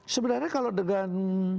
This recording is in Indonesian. sebenarnya kalau dengan